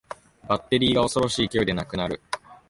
バッテリーが恐ろしい勢いでなくなる